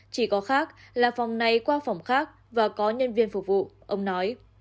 chỉ có khác là phòng này qua phòng khác và có nhân viên phục vụ ông nói